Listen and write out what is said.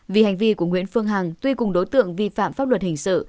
vì hành vi của nguyễn phương hằng tuy cùng đối tượng vi phạm pháp luật hình sự